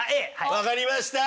わかりました。